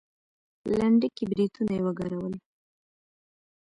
لنډکي برېتونه يې وګرول.